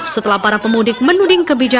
setelah para pemudik menuding kebijakan